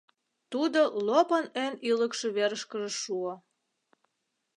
Тудо лопын эн ӱлыкшӧ верышкыже шуо.